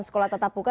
sekolah tatap muka